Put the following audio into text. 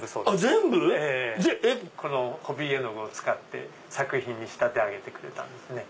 全部⁉ホビー絵の具を使って作品に仕立て上げてくれたんです。